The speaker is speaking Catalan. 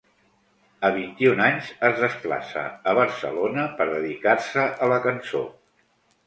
A vint-i-un anys es desplaça a Barcelona per dedicar-se a la cançó.